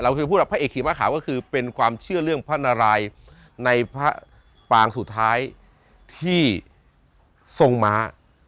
คือพวกพระเอกขี่ม้าขาวก็คือเป็นความเชื่อเรื่องพระนารายในพระปางสุดท้ายที่ทรงม้า